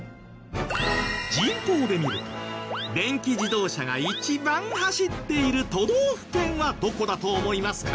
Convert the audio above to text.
人口で見ると電気自動車が一番走っている都道府県はどこだと思いますか？